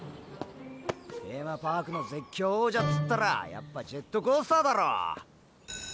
テーマパークの絶叫王者っつったらやっぱジェットコースターだろ。